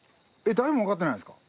誰もわかってないんですか？